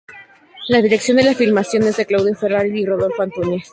La dirección de la filmación es de Claudio Ferrari y Rodolfo Antúnez.